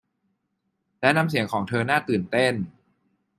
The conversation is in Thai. และน้ำเสียงของเธอน่าตื่นเต้น